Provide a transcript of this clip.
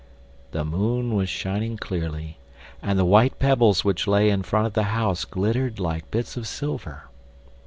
The moon was shining clearly, and the white pebbles which lay in front of the house glittered like bits of silver.